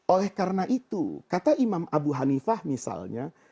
oleh karena itu kata imam abu hanifah misalnya